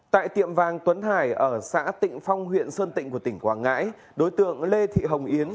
tại tiệm vàng tuấn hải ở xã tịnh phong huyện sơn tịnh của tỉnh quảng ngãi đối tượng lê thị hồng yến